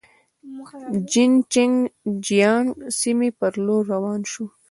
جین چنګ جیانګ سیمې پر لور روان شوو.